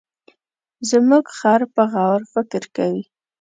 زموږ خر په غور فکر کوي.